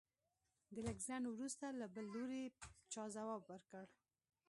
د لږ ځنډ وروسته له بل لوري چا ځواب ورکړ.